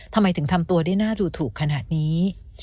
ทำไมถึงทำตัวได้น่าดูถูกขนาดนี้